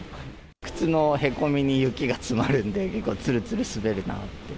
靴のへこみに雪が詰まるんで、結構つるつる滑るなって。